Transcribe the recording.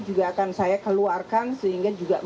juga akan saya keluarkan